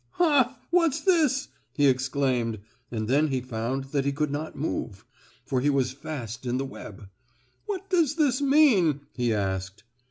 "Ha! What's this?" he exclaimed, and then he found that he could not move, for he was fast in the web. "What does this mean?" he asked.